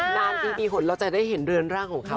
นานทีมีผลเราจะได้เห็นเรือนร่างของเขา